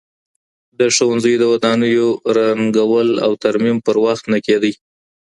د ښوونځیو د ودانیو رنګول او ترمیم پر وخت نه کيده.